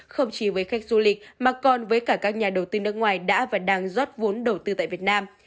không chỉ với khách du lịch mà còn với cả các nhà đầu tư nước ngoài đã và đang rót vốn đầu tư tại việt nam